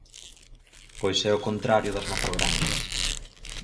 Pois é o contrario das macrogranxas.